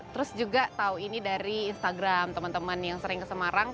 terus juga tahu ini dari instagram teman teman yang sering ke semarang